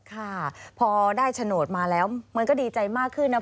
ค่ะพอได้โฉนดมาแล้วมันก็ดีใจมากขึ้นนะ